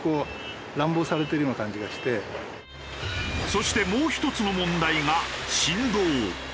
そしてもう１つの問題が振動。